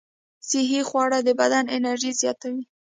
صحي خواړه د بدن انرژي زیاتوي.